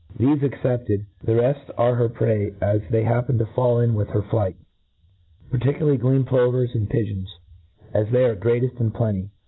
Thefe excepted, the reft arc her prey as they happen to fall in with her flight j* particdarly green plovers and pigeons, as they are in greateft plenty.